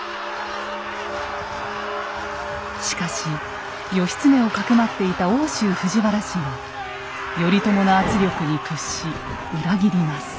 しかし義経をかくまっていた奥州藤原氏が頼朝の圧力に屈し裏切ります。